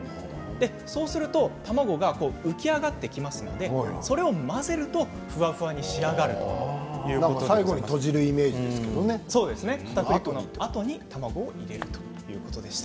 そうすると、卵が浮き上がってきますのでそれを混ぜるとふわふわに仕上がる最後にあとに卵を入れるということです。